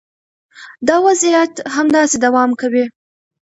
دا وضعیت همداسې دوام کوي.